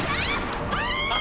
あっ！